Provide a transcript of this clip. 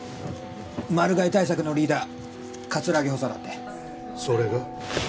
マル害対策のリーダー葛城補佐だってそれが？